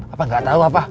apa gak tahu apa